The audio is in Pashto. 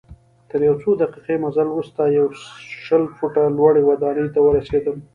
تر یو څو دقیقې مزل وروسته یوه شل فوټه لوړي ودانۍ ته ورسیدم.